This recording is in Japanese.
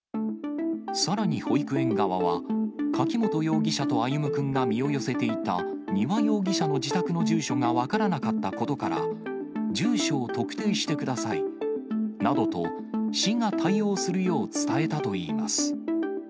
さらに保育園側は、柿本容疑者と歩夢くんが身を寄せていた丹羽容疑者の自宅の住所が分からなかったことから、住所を特定してくださいなどと、市が対応するよう伝えたといいます。